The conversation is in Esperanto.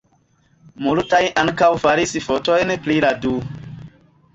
Multaj ankaŭ faris fotojn pri la du.